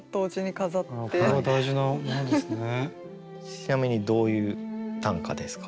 ちなみにどういう短歌ですか？